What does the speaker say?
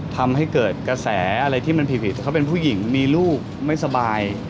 ทำให้เกิดกระแสอะไรที่มันผิดเขาเป็นผู้หญิงมีลูกไม่สบาย